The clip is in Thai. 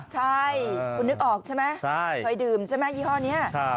ใช่คุณนึกออกใช่ไหมเคยดื่มใช่ไหมยี่ห้อนี้